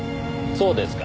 そうですか。